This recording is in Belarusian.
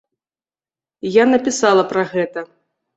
Я напісала пра гэта.